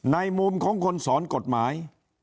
ในมุมของคนสอนกฎหมาย